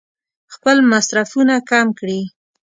خپل مصرفونه کم کړي.